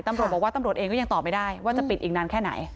ตำรวจบอกว่าตำรวจเองก็ยังตอบไม่ได้ว่าจะปิดอีกนานแค่ไหน